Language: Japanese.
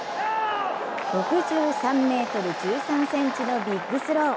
６３ｍ１３ｃｍのビッグスロー。